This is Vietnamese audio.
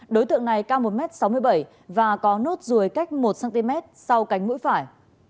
đối tượng này cao một m sáu mươi bảy và có nốt ruồi cách một cm sau cánh mũi phải